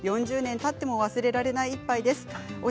４０年たっても忘れられない１杯です。